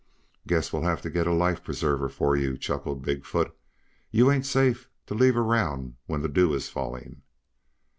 "Guess we'll have to get a life preserver for you," chuckled Big foot. "You ain't safe to leave around when the dew is falling."